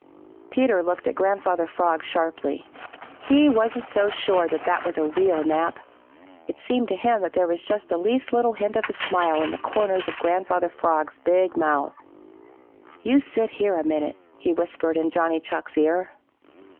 Peter looked at Grandfather Frog sharply. He wasn't so sure that that was a real nap. It seemed to him that there was just the least little hint of a smile in the corners of Grandfather Frog's big mouth. "You sit here a minute," he whispered in Johnny Chuck's ear.